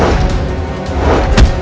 aku akan menangkap dia